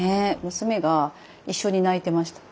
娘が一緒に泣いてました。